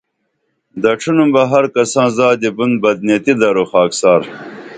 دڇھنُم ہر کساں زادی بُن بدنیتی درو خاکسار